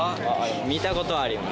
見た事はあります。